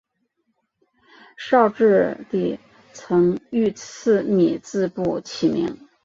绍治帝曾御赐米字部起名。